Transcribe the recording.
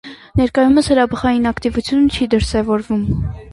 Ներկայումս հրաբխային ակտիվությունը չի դրսևորվում։